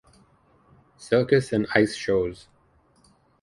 Circus and Ice Shows.